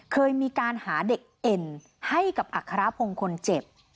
เคยมีการหาเด็กเอ็นให้กับอัครพงศ์คนเจ็บ